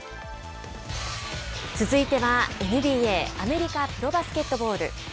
続いては、ＮＢＡ＝アメリカプロバスケットボール。